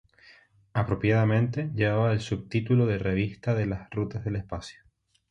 Apropiadamente, llevaba el subtítulo de Revista de las rutas del espacio.